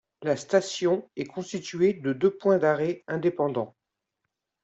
La station est constituée de deux points d'arrêt indépendants.